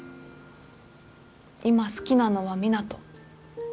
今好きなのは湊斗。